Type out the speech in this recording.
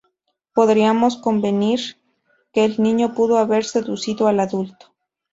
Podríamos convenir que el niño pudo haber seducido al adulto.